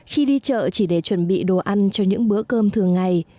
khi đi chợ chỉ để chuẩn bị đồ ăn cho những bữa cơm thường ngày